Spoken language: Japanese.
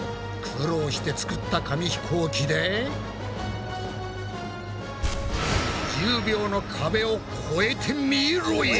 苦労して作った紙ひこうきで１０秒の壁をこえてみろや！